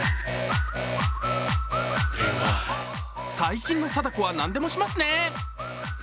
最近の貞子は何でもしますね！